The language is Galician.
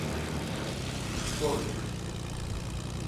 ¡Pobre iluso!